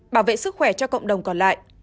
bảo vệ sức khỏe cho cộng đồng còn lại